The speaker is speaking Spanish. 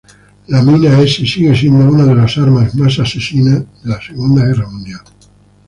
La mina-S sigue siendo una de las armas definitivas de la Segunda Guerra Mundial.